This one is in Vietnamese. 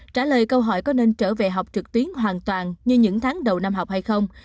trả lời câu hỏi có nên trở về học trực tuyến hoàn toàn như những tháng đầu năm học hay không